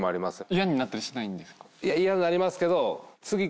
いや嫌になりますけど。